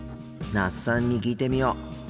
那須さんに聞いてみよう。